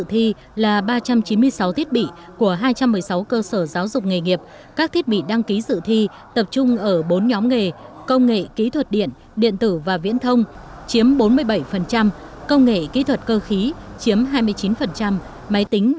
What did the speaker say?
hội thi thiết bị đăng ký dự thi